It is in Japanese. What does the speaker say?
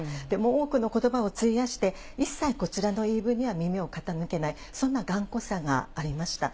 多くのことばを費やして、一切こちらの言い分には耳を傾けない、そんな頑固さがありました。